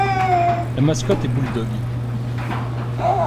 La mascotte est Bulldog.